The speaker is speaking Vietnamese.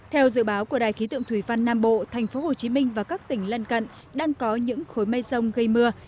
theo dự báo của đài ký tượng thủy văn nam bộ thành phố hồ chí minh và các tỉnh lân cận đang có những khối mây rông gây mưa